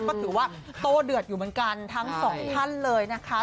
ก็ถือว่าโตเดือดอยู่เหมือนกันทั้งสองท่านเลยนะคะ